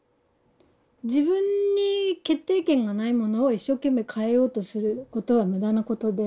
自分に決定権がないものを一生懸命変えようとすることは無駄なことで。